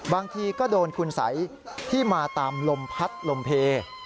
บางทีก็โดนคุณสัยที่มาตามลมพัดลมเพล